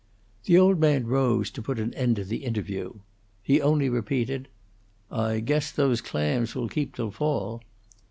The old man rose to put an end to the interview. He only repeated, "I guess those clams will keep till fall."